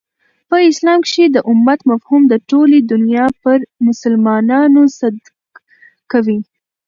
په اسلام کښي د امت مفهوم د ټولي دنیا پر مسلمانانو صدق کوي.